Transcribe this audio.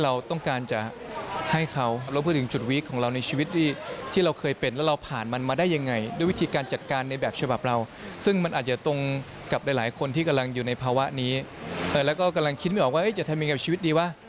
แล้วก็กำลังคิดไม่ออกว่าจะทำยังไงกับชีวิตดีว่ะ